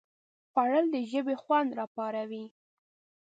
خوړل د ژبې خوند راپاروي